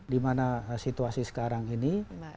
dimana situasi sekarang ini